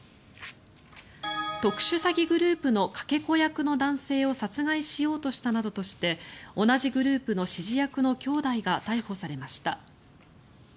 特殊詐欺グループのかけ子役の男性を殺害しようとしたなどとして同じグループの指示役の兄弟が逮捕されました。